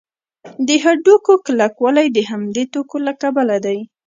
د هډوکو کلکوالی د همدې توکو له کبله دی.